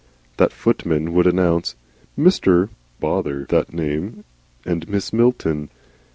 The footman would announce, Mr. (bother that name!) and Miss Milton.